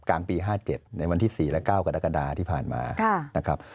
กลางปี๕๗ในวันที่๔และ๙กรกฎาที่ผ่านมานะครับ